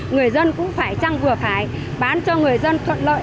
người dân cũng phải trăng vừa phải bán cho người dân thuận lợi